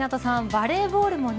バレーボールもね